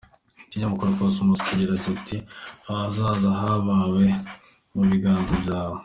Ikinyamakuru Cosmos kigira kiti “Ahazaza h’abawe mu biganza byawe”.